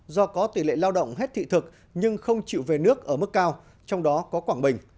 do có tỷ lệ lao động hết thị thực nhưng không chịu về nước ở mức cao trong đó có quảng bình